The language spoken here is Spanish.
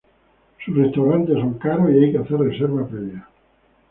Sus restaurantes son caros y hay que hacer reserva previa.